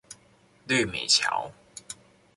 綠美橋